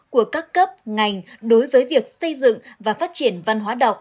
của các cấp ngành đối với việc xây dựng và phát triển văn hóa đọc